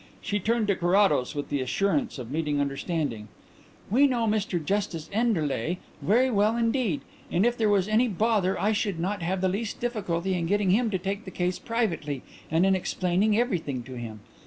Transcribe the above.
She turned to Carrados with the assurance of meeting understanding. "We know Mr Justice Enderleigh very well indeed, and if there was any bother I should not have the least difficulty in getting him to take the case privately and in explaining everything to him.